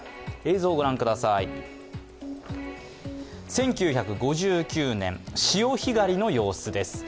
１９５９年、潮干狩りの様子です。